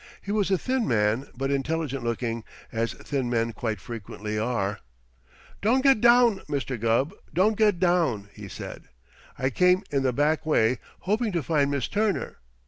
He was a thin man, but intelligent looking, as thin men quite frequently are. "Don't get down, Mr. Gubb, don't get down!" he said. "I came in the back way, hoping to find Miss Turner.